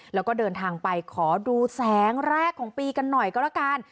แล้วก็เดินทางไปขอดูแสงแรกของปีกันหน่อยก็แล้วกัน